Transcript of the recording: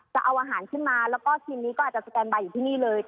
จะเอาอาหารขึ้นมาแล้วก็ทีมนี้ก็อาจจะสแตนบายอยู่ที่นี่เลย